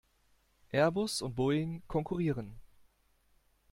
Airbus und Boeing konkurrieren.